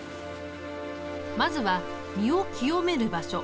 まずは身を清める場所